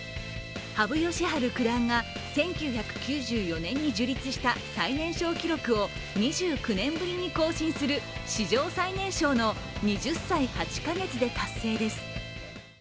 羽生善治九段が１９９４年に樹立した最年少記録を２９年ぶりに更新する史上最年少の２０歳８か月で達成です。